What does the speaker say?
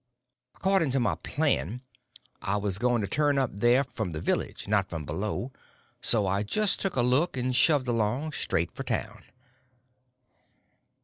According to my plan, I was going to turn up there from the village, not from below. So I just took a look, and shoved along, straight for town.